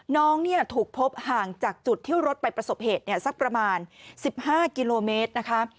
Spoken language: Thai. น้องถูกพบห่างจากจุดที่รถไปประสบเหตุสักประมาณ๑๕กิโลเมตรนะคะ